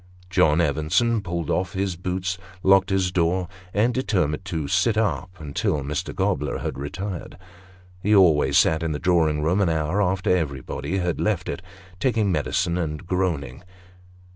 John Evenson pulled off his boots, locked his door, and determined to sit up until Mr. Gobler had retired. He always sat in the drawing room an hour after everybody else had left it, taking medicine, and groaning.